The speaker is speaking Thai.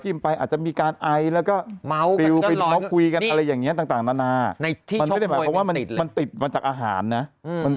จึงไปอาจจะมีการไอแล้วก็มาวเรียกว่ามันติดมาจากอาหารนะมัน